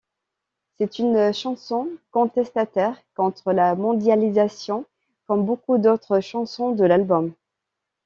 C'est une chanson contestataire contre la mondialisation, comme beaucoup d'autres chansons de l'album.